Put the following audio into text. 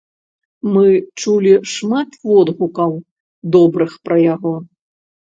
Мы чулі шмат водгукаў добрых пра яго.